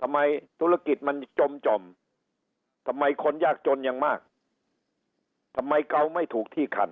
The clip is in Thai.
ทำไมธุรกิจมันจมจ่อมทำไมคนยากจนอย่างมากทำไมเกาไม่ถูกที่คัน